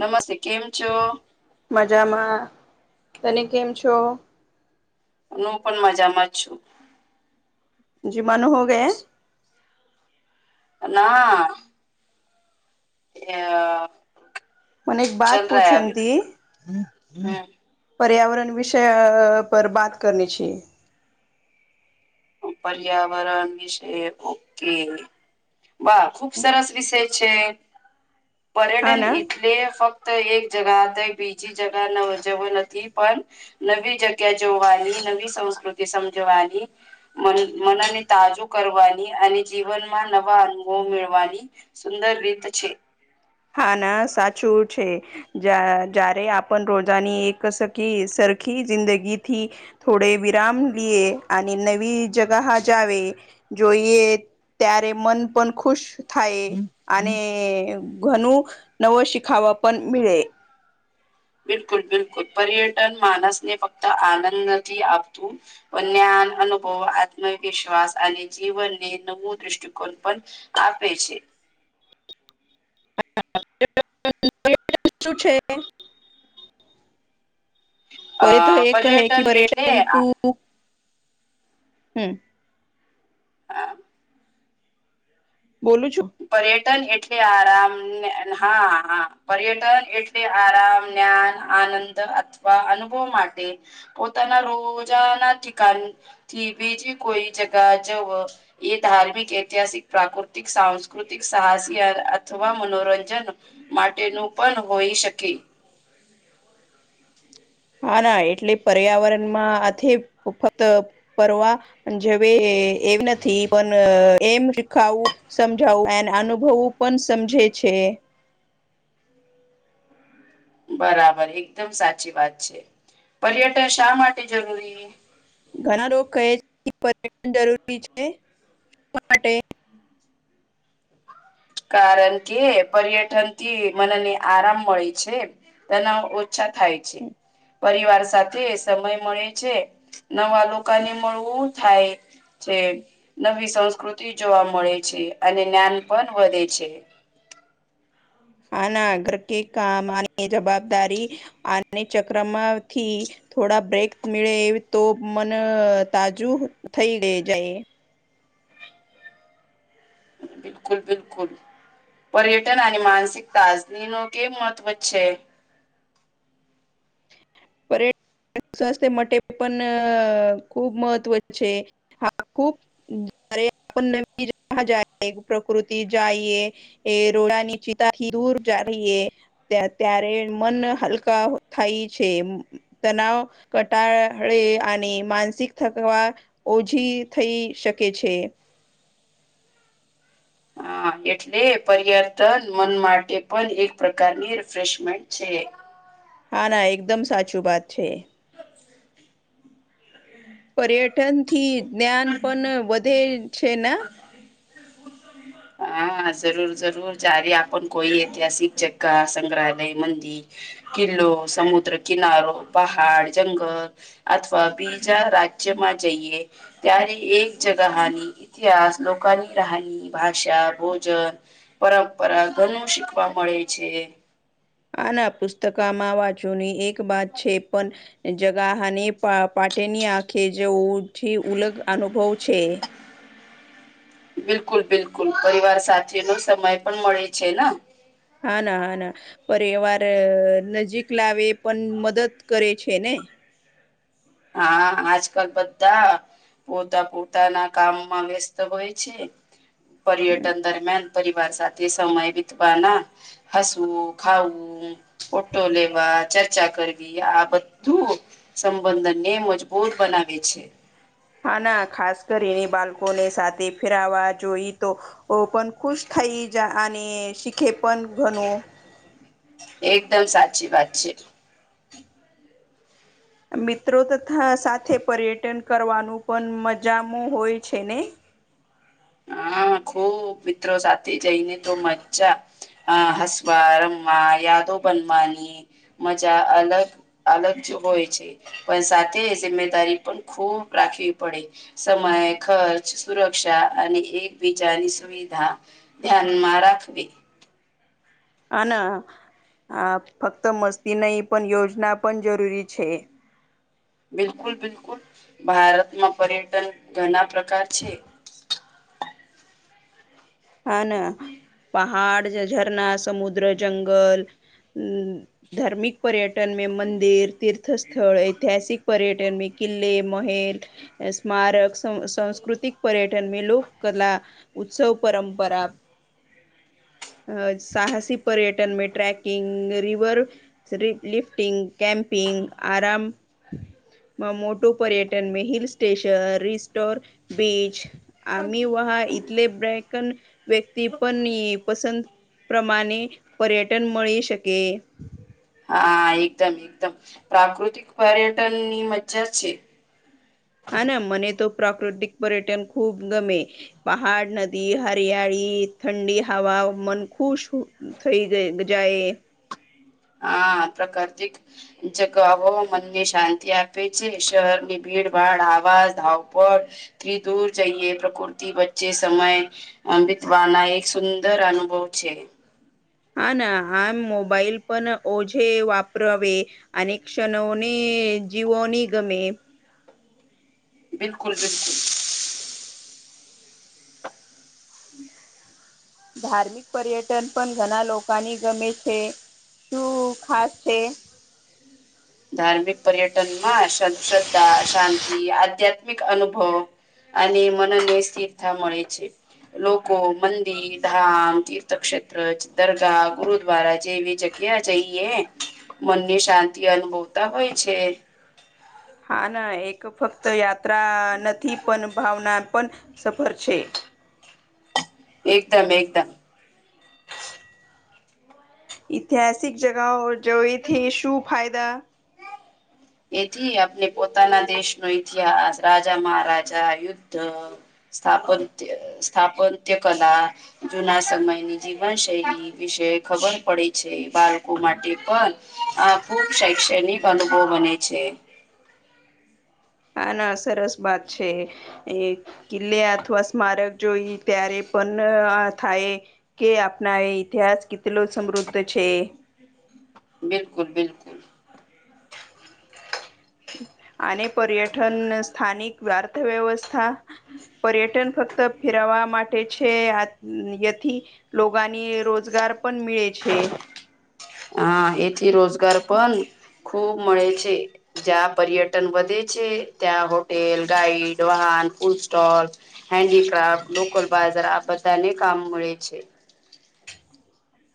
નમસ્તે કેમ છો? મજામાં તને કેમ છો? હું પણ મજામાં જ છું. જીમાણું હોવે. ના. અ મને એક બાત ચલ પૂછન રહ હતી પર્યાવરણ વિષય‌ અ પર બાત કરની છી. પર્યાવરણ વિશે ઓકે. વાહ ખુબ સરસ વિષય છે હા પર્યટન ના એટલે ફક્ત તો એક જગા તો બીજી જગા ન જેવ નથી પણ નવી જગ્યા જોવાની નવી સંસ્કૃતિ સમજવાની મ મનને તાજુ કરવાની અને જીવનમાં નવા અનુભવ મેળવાની સુંદર રીત છે. હા ના સાચું છે. જા જ્યારે આપણ રોજાની એક સખી સરખી જિંદગીથી થોડે વિરામ લિએે અ. નવી જગાા જાવે જોઈએ ત્યારે મન પણ ખુશ થાય હમ હમ અને ઘણું નવો શીખાવા પણ મળે. બિલકુલ બિલકુલ પર્યટન માણસ ને ફક્ત આનંદ નથી આપતુ. પણ જ્ઞાન અનુભવ આત્મવિશ્વાસ અને જીવનને નવો દ્રષ્ટિકોણ પણ આપે છે. શું છે. હ અ એ તો એક હૈ પર્યટન એટલે પર્યટન આ તું હમ હા બોલું છુ. પર્યટન એટલે આરામ હા હા પર્યટન એટલે આરામ જ્ઞાન આનંદ અથવા અનુભવ માટે પોતાના રોજાના કણ થી બીજી કોઈ જગા જવ એ ધાર્મિક ઐતિહાસિક પ્રાકૃતિક સા પ્રાકૃતિક સાહસ અથવા મનોરંજન માટેનું પણ હોઈ શકે હા ના એટલે પર્યાવરણમાં આથી ફક્ત પરવા જેવે એમ નથી પણ એમ શીખાવુ. સમજાવું એ અનુભવવું પણ સમજે છે. બરાબર એકદમ સાચી વાત છે પર્યટન શા માટે જરૂરી ઘણા રગ કહે છે પર્યટન જરૂરી છે, શ માટે કારણ કે પર્યટન થી મનને આરામ મળે છે. તનાવ ઓછા થાય છે. પરિવાર સાથે સમય મળે છે નવા લોકોને મળવું થાય જે નવી સંસ્કૃતિ જોવા મળે છે અને જ્ઞાન પણ વધે છે. આના ઘર કે કામ અને જવાબદારી અને ચક્રમાંથી. થોડા બ્રેક મળળે એ તો મન તાજું થઈ જાય. [unintelligible] પર્યટન અને માનસિક તાજની ન કેમ મહત્વ છે. પર્યટન સ્વાસ્થ્ય માટે પણ ખૂબ મહત્વ છે, હા ખૂબ જારે આપ નવી જ જાય પ્રકૃતિ જઈએ. એ રોડા ની ચિતાથી દૂર જ રહીએ. ત ત્યારે મન હલકા થાય છે. તનાવ કટાે અને માનસિક થકવા. ઓછી થઈ શકે છે. હા એટલે પર્યર્તન મન માટે પણ એક પ્રકારની રિફ્રેશમેન્ટ છે. હા ના એકદમ સાચું વાત છે. પર્યટન થી જ્ઞાન પણ વધે છે, ના [inaudible] હા જરૂર જરૂર જ્યારે આપ કોઈ ઐતિહાસિક જગ્ગ સંગ્રહાલય મંદિર કિલ્લો સમુદ્ર કિનારો પહાડ જંગલ અથવા બીજા રાજ્યમાં જઈએ ત્યારે એક જગહની. તિહાસ લોકની રાહની ભાષા ભોજન પરંપરા ઘણું શીખવા મળે છે. આના પુસ્તકામાં વાંચની એક બાત છે, પણ જગાહની પાટેની આંખે જે ઓી ઉલગ અનુભવ છે. બિલકુલ બિલકુલ પરિવાર સાથેથી નો સમય પણ મળે છે ને હના હના પરિવાર નજીક લાવે પણ મદદ કરે છેને. હા આજ કલ બધા પોતા પોતાના કામમાં વ્યસ્ત હોય છે હમ. પર્યટન દરમિયાન પરિવાર સાથે સમય વીતવા ના હસવું ખાવું. ફોટો લેવા ચર્ચા કરવી આ બધું. બંદન ને મજબૂત બનાવે છે. હા ના ખાસ કરીને બાળકોને સાથે ફેરવા જોઈએ તો પણ ખુશ થઈ જ અને શીખે પણ ઘણું એકદમ સાચી વાત છે. મિત્રો તથા સાથે પર્યટન કરવાનું પણ મજામાં હોય છે ને. હા ખુબ મિત્રો સાથે જઈને તો મજા. હ હસવા, રમ્મા યા તો બનવાની. મજા અલગ અલગ જ હોય છે. પણ સાથે જિમ્મેદારી પણ ખૂબ રાખવી પડે. સમય, ખર્ચ, સુરક્ષા અને એકબીજાની સુવિધા ધ્યાનમાં રાખવી. હન આ ફક્ત મસ્તી નહી પણ યોજના પણ જરૂરી છે. બિલકુલ બિલકુલ ભારતમાં પર્યટન ઘણા પ્રકાર છે. હા ના પહાડ જે ઝરના, સમુદ્ર, જંગલ, ધાર્મિક પર્યટન મે મંદિર તીર્થ સ્થળ ઐતિહાસિક પર્યટન મે કિલ્લે મહેલ, સ્મારક, સાંસ્કૃતિક પર્યટન મે લોક કલા, ઉત્સવ પરંપરા. અ સાહસી પર્યટન મે ટ્રેકિંગ, રીવર શ્રીપ લિફ્ટિંગ, કેમપિંગ, આરામ માં મોટું પર્યટન મે હિલ સ્ટેશન, રિસ્ટોર, બીચ આમ [unintelligible] વહ ટલે બ્રેકન વ્યક્તિ પણ પસંદ પ્રમાણે પર્યટન મળી શકે. હા એકદમ એકદમ પ્રાકૃતિક પર્યટન ની મજ્જા છે. હા ના મને તો પ્રાકૃતિક પર્યટન ખૂબ ગમે. પહાડ, નદી, હરિયાળી, ઠંડી હવા મન ખુશ થઈ જાય. હા પ્રકારતિક જગ મનને શાંતિ આપે છે, શહેરની ભીડ ભાડ, આવાસ, ધાવપ ત દૂર જઈએ પ્રકૃતિ વચ્ચે સમય. બીતવાના એક સુંદર અનુભવ છે. હા ના આ મોબાઈલ પણ ઓજે વાપરાવે, અને ક્ષણોને જીવોની ગમે. બિલકુલ બિલકુલ. [inaudible] ધાર્મિક પર્યટન પણ ઘણા લોકોની ગમે છે. શું ખાસ છે? ધાર્મિક પર્યટન માં શ્રદ્ધા શાંતિ, આધ્યાત્મિક અનુભવ અને મનને સ્થિરતા મળે છે. લોકો મંદિર, ધામ, તીર્થક્ષેત્ર, દરગાહ, ગુરુદ્વારા જેવી જગ ક્યાં જઈએ મનને શાંતિ અનુભવતા હોય છે્ હા ના એક ફક્ત યાત્રા નથી પણ ભાવના પણ સફર છે. એકદમ એકદમ. ઇતિહાસિક જગહ જોઇ થી શું ફાયદ? એથી આપને પોતાના દેશનો ઇતિહાસ, રાજા મહારાજા યુદ્ધ સ્થાપત્ય સ્થાપત્ય કલા જૂના સમયની જીવનશૈલી વિશે ખબર પડે છે, બાળકો માટે પણ આ ખુબ શૈક્ષણિક અનુભવ બને છે. હા ના સરસ વાત છે. એ કિલ્લે અથવા સ્મારક જોઈ ત્યારે પણ થાય. કે આપણા એ ઇતિહાસ કેટલો સમૃદ્ધ છે. બિલકુલ બિલકુલ. અને પર્યટન સ્થાનિક વ્યાર્થ વ્યવસ્થા પર્યટન ફક્ત ફેરવા માટે છે, આત યથી લોગાની રોજગાર પણ મીડે છે હા એથી રોજગાર પણ ખૂબ મળે છે જ્યાં પર્યટન વધે છે, ત્યાં હોટેલ, ગાઈડ, વાહન, ફૂડ સ્ટોલ હેન્ડીક્રાફ્ટ, લોકલ બાજાર આ બધાને કામ મળે છે.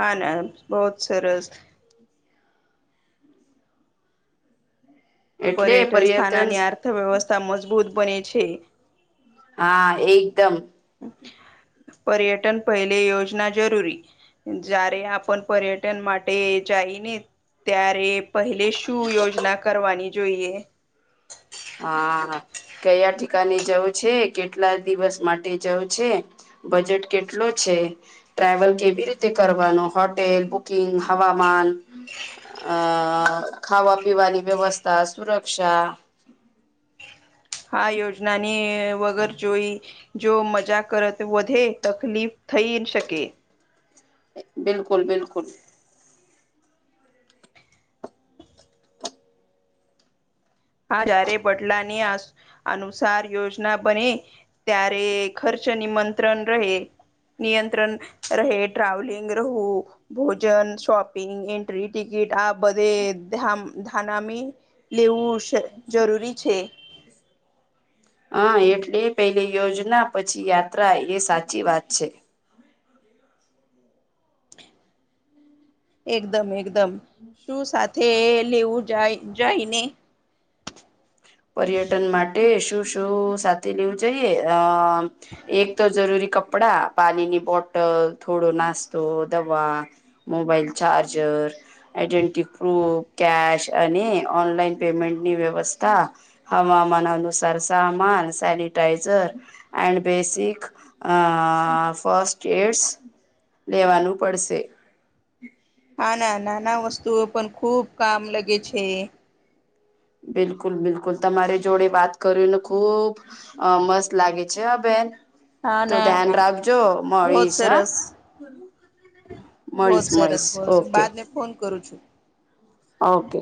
હાને બોહુત સરસ. પર્યટન સ્થાન આની અર્થવ્યવસ્થા મજબૂત બને છે. હા એકદમ. પર્યટન પહેલે યોજના જરૂરી જારે આપણ પર્યટન માટે જઈને ત્યારે પહેલેશ ટુ યોજના કરવાની જોઈએ. હા હા કયા ઠિકાને જવું છે, કેટલા દિવસ માટે જવું છે. બજેટ કેટલો છે. ટ્રાવલ કેવી રીતે કરવાનો, હોટેલ, બુકિંગ, હવામાન. અ ખાવા પીવાની વ્યવસ્થા, સુરક્ષા [inaudible] હા યોજના ની વગર જોઈ જો મજા કરત વધે તકલીફ થઈ શકે બિલકુલ બિલકુલ હા જયારે બદલાની આસ અનુસાર યોજના બને ત્યારે ખર્ચ નીમંત્રણ રહે. નિયંત્રણ રહે, ટ્રાવલિંગ રહું ભોજન, શોપિંગ, એન્ટ્રી ટિકિટ આ બધે ધામ ધાનામી લેવુંશ જરૂરી છે. હા એટલે પેલે યોજના, પછી યાત્રા એ સાચી વાત છે. એકદમ એકદમ, તુ સાથે લેવું જાય જાય ને પર્યટન માટે શું શું સાથે લેવું જોઈએ અ મ એક તો જરૂરી કપડા, પાણીની બોટલ, થોડો નાસ્તો, દવા. Mobile charger identity proof, cash અને ઓનલાઈન પેમેન્ટની વ્યવસ્થા હવામાન અનુસાર સામાન, sanitiser and basic first aids લેવાનું પડશે હાના, નાના વસ્તુઓ પણ ખુબ કામ લગે છે. બિલકુલ બિલકુલ તમારી જોડે વાત કર્યું ને ખુબ અ મસ્ત લાગે છે હ બેેન હા તો ના ધ્યાન ના રાખજો, બહત મળીશ હા. સરસ બહત મળીશ સરસ મળીશ બહત ઓકે બાદ મે ફોન કરું છું. ઓકે